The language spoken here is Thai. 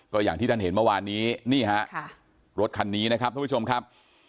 ก็อย่างที่ท่านเห็นเมื่อวานนี้นี่ฮะรถคันนี้นะครับทุกผู้ชมครับ